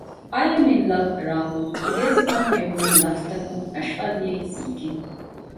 އައި އެމް އިން ލަވް ރާހުލް އިނގިރޭސި ބަހުން އެ ބުނެލި ލަފްޒުތަކުން ނަޝްފާ ދިއައީ ސިހިގެން